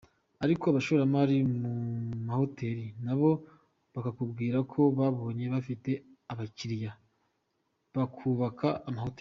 Ariko abashoramari mu mahoteli nabo bakakubwira ko babonye bafite abakiliya bakubaka amahoteli.